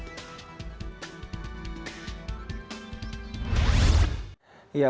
dan memesankan kamar vip di rumah sakit bendika permata hijau